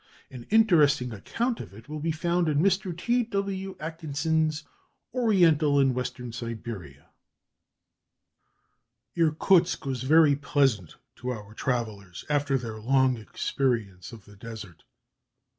An interesting account of it will be found in Mr. T. W. Atkinson's "Oriental and Western Siberia." Irkutsk was very pleasant to our travellers after their long experience of the desert.